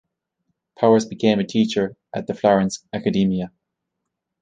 Powers became a teacher at the Florence Accademia.